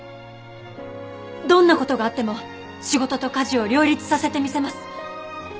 どんな事があっても仕事と家事を両立させてみせます。